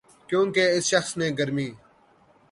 کیونکہ اس شخص نے گرمی